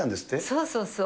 そうそうそう。